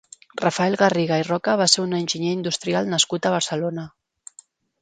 Rafael Garriga i Roca va ser un enginyer industrial nascut a Barcelona.